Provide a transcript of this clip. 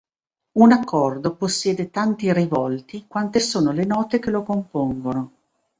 Un accordo possiede tanti "rivolti" quante sono le note che lo compongono.